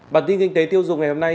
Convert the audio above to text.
bản tin kinh tế tiêu dụng ngày hôm nay